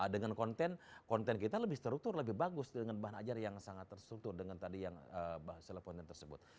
dengan konten konten kita lebih struktur lebih bagus dengan bahan ajar yang sangat terstruktur dengan tadi yang teleponnya tersebut